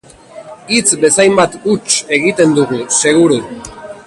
Hitz bezainbat huts egiten dugu, seguru.